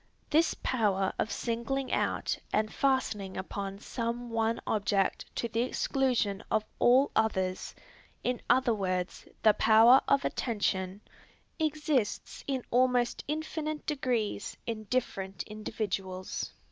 This power of singling out and fastening upon some one object to the exclusion of all others, in other words, this power of attention exists in almost infinite degrees in different individuals.